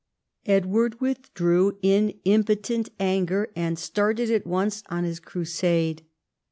Edward withdrew in impotent anger, and started at once on his Crusade.